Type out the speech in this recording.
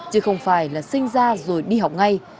chứ không phải là sinh ra rồi đi học ngay